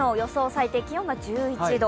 最低気温が１１度。